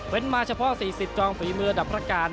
เว่นมาเฉพาะสี่สิบช่องฟรีมือดับประการ